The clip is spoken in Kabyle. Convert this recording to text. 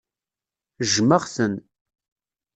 Jjmeɣ-ten.